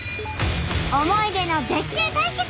思い出の絶景対決！